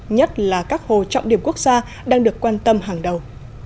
nhất là các hồ trọng điểm quốc gia đang được quan tâm hàng đầu